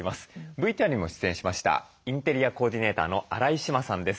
ＶＴＲにも出演しましたインテリアコーディネーターの荒井詩万さんです。